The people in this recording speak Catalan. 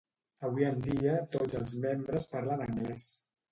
Avui en dia tots els membres parlen anglès.